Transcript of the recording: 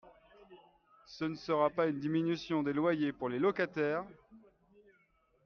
Ce ne sera pas une diminution des loyers pour les locataires